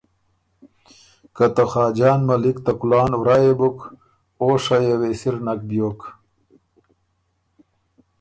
که ته خاجان ملِک ته کُلان ورا يې بُک، او شیه وې سِر نک بیوک